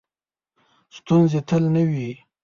ستونزې تل نه وي .